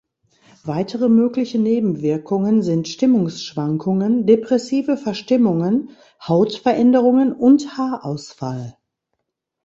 Weitere mögliche Nebenwirkungen sind Stimmungsschwankungen, depressive Verstimmungen, Hautveränderungen und Haarausfall.